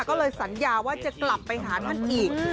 ก็เลยสัญญาว่าจะกลับไปหาท่านอีก